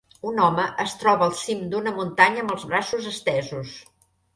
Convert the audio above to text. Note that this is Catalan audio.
Un home es troba al cim d'una muntanya amb els braços estesos.